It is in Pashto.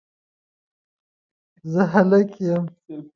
زه هلک یم